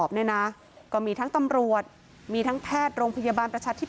พ่อแม่มาเห็นสภาพศพของลูกร้องไห้กันครับขาดใจ